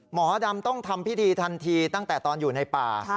หมอดำต้องทำพิธีทันทีตั้งแต่ตอนอยู่ในป่า